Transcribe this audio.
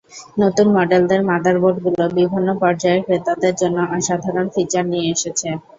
নতুন মডেলের মাদারবোর্ডগুলো বিভিন্ন পর্যায়ের ক্রেতাদের জন্য অসাধারণ ফিচার নিয়ে এসেছে।